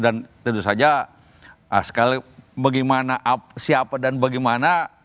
dan tentu saja sekali lagi bagaimana siapa dan bagaimana